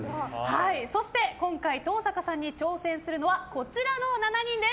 そして、今回登坂さんに挑戦するのはこちらの７人です。